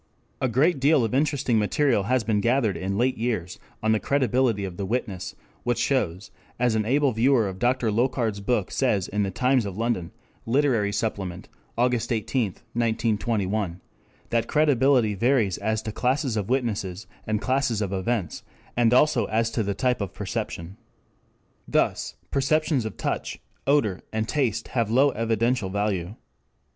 _ A great deal of interesting material has been gathered in late years on the credibility of the witness, which shows, as an able reviewer of Dr. Locard's book says in The Times (London) Literary Supplement (August 18, 1921), that credibility varies as to classes of witnesses and classes of events, and also as to type of perception. Thus, perceptions of touch, odor, and taste have low evidential value.